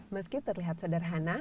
meski terlihat sederhana